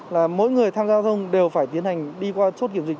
là mỗi người tham gia giao thông đều phải tiến hành đi qua chốt kiểm dịch